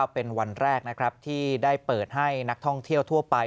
เป็นวันแรกนะครับที่ได้เปิดให้นักท่องเที่ยวทั่วไป